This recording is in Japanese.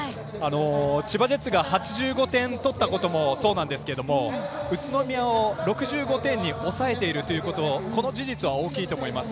千葉ジェッツが８５点取ったこともそうなんですけど宇都宮を６５に抑えているということこの事実は大きいと思います。